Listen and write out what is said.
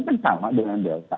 kan sama dengan delta